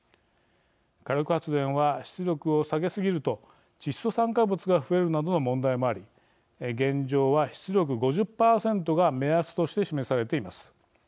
火力発電は出力を下げすぎると窒素酸化物が増えるなどの問題もあり現状は出力５０％が目安として示されています。